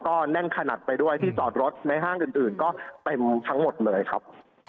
ก็แน่นขนาดไปด้วยที่จอดรถในห้างอื่นก็เต็มทั้งหมดเลยครับ